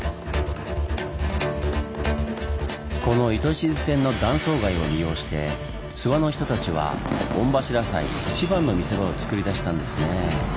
この糸静線の断層崖を利用して諏訪の人たちは御柱祭いちばんの見せ場をつくり出したんですねぇ。